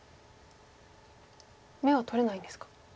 眼は取れないんですか。